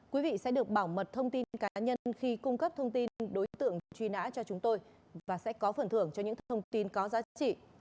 quý vị sẽ được bảo mật thông tin cá nhân khi cung cấp thông tin đối tượng truy nã cho chúng tôi và sẽ có phần thưởng cho những thông tin có giá trị